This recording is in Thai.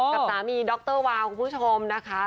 กับสามีดรวาวคุณผู้ชมนะคะ